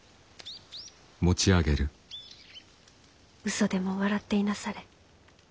嘘でも笑っていなされ。